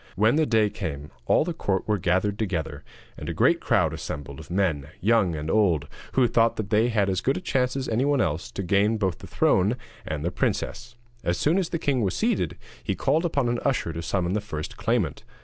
When the day came, all the court were gathered together, and a great crowd assembled of men, young and old, who thought that they had as good a chance as anyone else to gain both the throne and the princess. As soon as the king was seated, he called upon an usher to summon the first claimant.